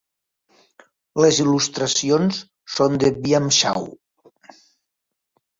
Les il·lustracions són de Byam Shaw.